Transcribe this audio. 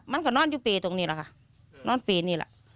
มันก็นอนอยู่เปรียดตรงนี้ล่ะค่ะนอนเปรียดนี้ล่ะ